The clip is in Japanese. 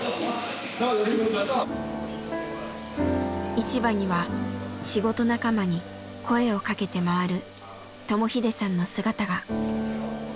市場には仕事仲間に声をかけて回る智英さんの姿が。